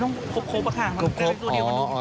อันนี้ให้เลข๙แล้วมันก็เลยไม่ต้องครบอะค่ะ